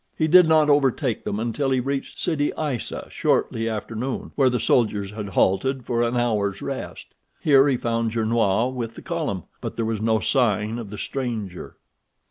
He did not overtake them until he reached Sidi Aissa shortly after noon, where the soldiers had halted for an hour's rest. Here he found Gernois with the column, but there was no sign of the stranger.